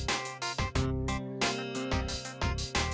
cendol manis dingin